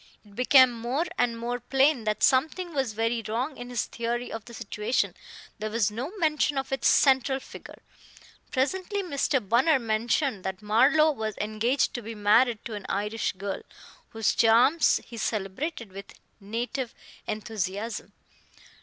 It became more and more plain that something was very wrong in his theory of the situation; there was no mention of its central figure. Presently Mr. Bunner mentioned that Marlowe was engaged to be married to an Irish girl, whose charms he celebrated with native enthusiasm.